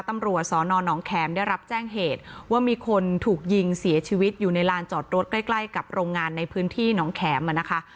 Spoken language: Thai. ตำรวจสอนอนน้องแขมได้รับแจ้งเหตุว่ามีคนถูกยิงเสียชีวิตอยู่ในลานจอดรถใกล้ใกล้กับโรงงานในพื้นที่หนองแขมอ่ะนะคะ